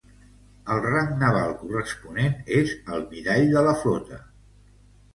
El rang naval corresponent és almirall de la flota.